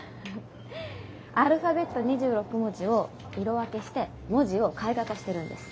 アルファベット２６文字を色分けして文字を絵画化してるんです。